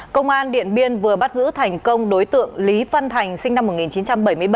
công an điện biên vừa bắt giữ thành công đối tượng lý phân thành sinh năm một nghìn chín trăm bảy mươi ba